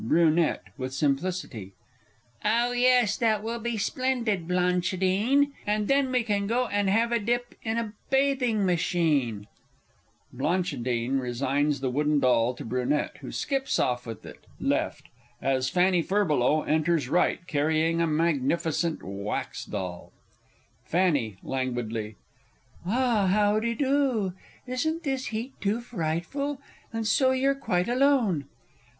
Br. (with simplicity). Oh, yes, that will be splendid, Blanchidine, And then we can go and have a dip in a bathing machine! [BLAN. resigns the wooden doll to BRUN., who skips off with it, L., as FANNY FURBELOW enters R., carrying a magnificent wax doll. Fanny (languidly). Ah, howdy do isn't this heat too frightful? And so you're quite alone?